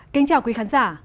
kính chào quý khán giả